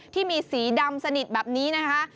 ที่มีสีดำสนิทแบบนี้นะคะ